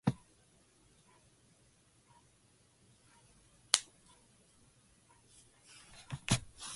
While still at university, the first of his cartoons was printed in magazines.